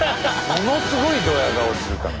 ものすごいドヤ顔するから。